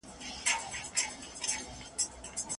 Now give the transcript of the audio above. ج۔۔۔ زما په خیال شی هغه وخت جوړېدی سي چي جوړېدونکي ولري۔۔۔